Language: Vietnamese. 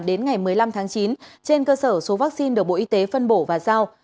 đến ngày một mươi năm tháng chín trên cơ sở số vaccine được bộ y tế phân bổ và giao